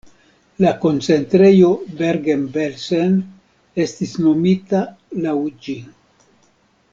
La koncentrejo Bergen-Belsen estis nomita laŭ ĝi.